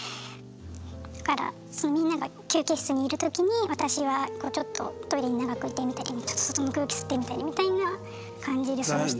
だからみんなが休憩室にいるときに私はちょっとトイレに長くいてみたりちょっと外の空気吸ってみたりみたいな感じで過ごして。